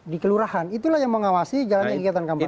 di kelurahan itulah yang mengawasi jalannya kegiatan kampanye